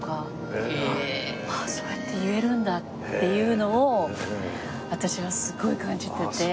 そうやって言えるんだっていうのを私はすごい感じてて。